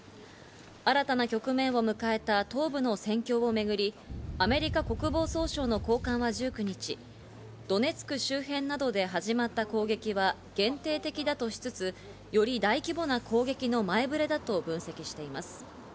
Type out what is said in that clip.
新たな局面を迎えた東部の戦況をめぐり、アメリカ国防総省の高官は１９日、ドネツク周辺などで始まった攻撃は限定的だとしつつより大規模な攻撃の前ぶれだと分析しています。